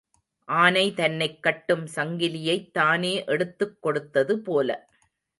ஆனை தன்னைக் கட்டும் சங்கிலியைத் தானே எடுத்துக் கொடுத்தது போல.